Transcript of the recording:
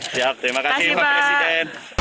terima kasih pak presiden